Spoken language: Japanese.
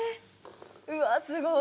うわーすごい。